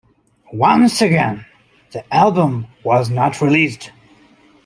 Once again, the album was not released.